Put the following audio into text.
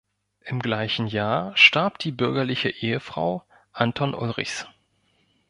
Im gleichen Jahr starb die bürgerliche Ehefrau Anton Ulrichs.